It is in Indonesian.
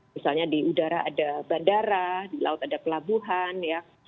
misalnya di udara ada bandara di laut ada pelabuhan ya